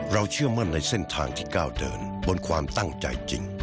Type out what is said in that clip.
เชื่อมั่นในเส้นทางที่ก้าวเดินบนความตั้งใจจริง